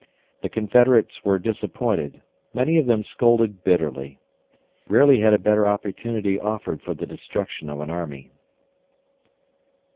... The Confederates were disappointed; many of them scolded bitterly. Rarely had a better opportunity offered for the destruction of an army."